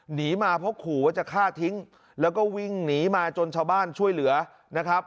หนีมาเพราะขู่ว่าจะฆ่าทิ้งแล้วก็วิ่งหนีมาจนชาวบ้านช่วยเหลือนะครับ